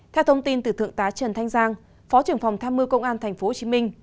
theo thông tin từ thượng tá trần thanh giang phó trưởng phòng tham mưu công an tp hcm